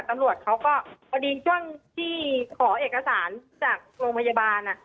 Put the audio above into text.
ตำรวจเขาก็พอดีช่วงที่ขอเอกสารจากโรงพยาบาล